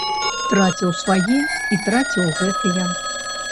Траціў свае і траціў гэтыя.